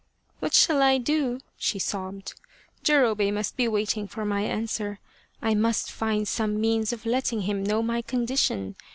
" What shall I do f " she sobbed. " Jurobei must be waiting for my answer. I must find some means of letting him know my condition.